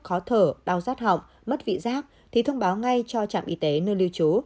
khó thở đau rát họng mất vị giác thì thông báo ngay cho trạm y tế nơi lưu trú